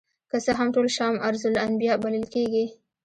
که څه هم ټول شام ارض الانبیاء بلل کیږي.